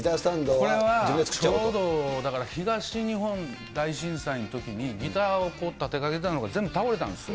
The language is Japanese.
これはちょうどだから東日本大震災のときに、ギターを立てかけていたのが全部倒れたんですよ。